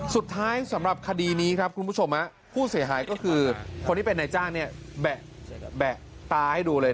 สำหรับคดีนี้ครับคุณผู้ชมผู้เสียหายก็คือคนที่เป็นนายจ้างเนี่ยแบะตาให้ดูเลย